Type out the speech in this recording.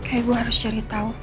kayaknya gue harus cari tau